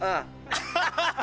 アッハハハ！